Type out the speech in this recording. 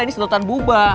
ini sedotan buba